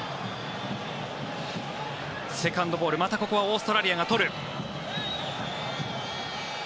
セカンドボール、またここはオーストラリアが取る。